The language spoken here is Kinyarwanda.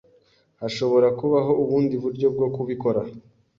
Hashobora kubaho ubundi buryo bwo kubikora.